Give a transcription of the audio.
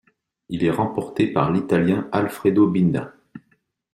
Il est remporté par l'Italien Alfredo Binda.